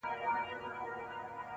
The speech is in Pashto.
ښه دی چي ونه درېد ښه دی چي روان ښه دی.